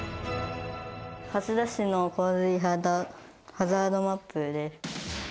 蓮田市の洪水ハザードマップです。